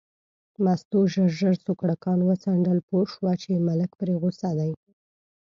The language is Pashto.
مستو ژر ژر سوکړکان وڅنډل، پوه شوه چې ملک پرې غوسه دی.